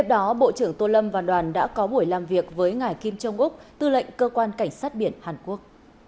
đó bộ trưởng tô lâm và đoàn đã có buổi làm việc với ngài kim trung úc tư lệnh cơ quan cảnh sát biển hàn quốc